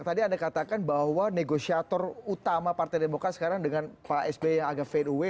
tadi anda katakan bahwa negosiator utama partai demokrat sekarang dengan pak sby yang agak fair away